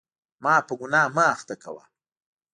ما په ګناه مه اخته کوه.